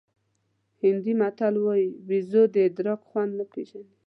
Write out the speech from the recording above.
هندي متل وایي بېزو د ادرک خوند نه پېژني.